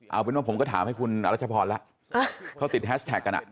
เอาเป็นว่าผมก็ถามให้คุณอรัชพรแล้วเขาติดแฮชแท็กกันอ่ะ